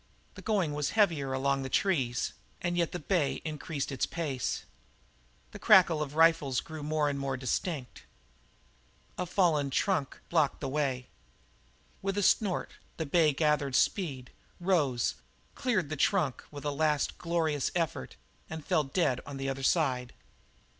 The going was heavier among the trees, and yet the bay increased its pace. The crackle of the rifles grew more and more distinct. A fallen trunk blocked the way. With a snort the bay gathered speed, rose, cleared the trunk with a last glorious effort, and fell dead on the other side.